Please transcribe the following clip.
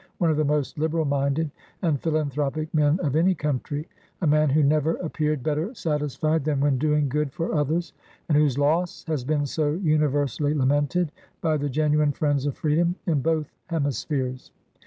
one of the most liberal minded and philanthropic men of any country; a man who never appeared better satisfied than when doing good for others, and whose loss has been so universally lamented by the genuine friends of freedom in both hemispheres.